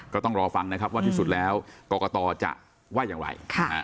ก็ต้องรอฟังนะครับว่าที่สุดแล้วกรกตจะว่าอย่างไร